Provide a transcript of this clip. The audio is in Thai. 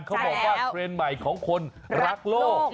เขาบอกว่าเทรนด์ใหม่ของคนรักโลก